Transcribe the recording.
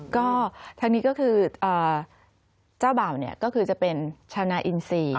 ก็ทางนี้ก็คือเจ้าบ่าวเนี่ยก็คือจะเป็นชาวนาอินซี